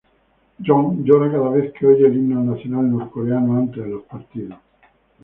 Jong llora cada vez que oye el himno nacional norcoreano antes de los partidos.